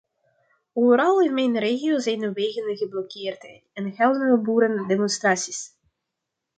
Overal in mijn regio zijn wegen geblokkeerd en houden boeren demonstraties.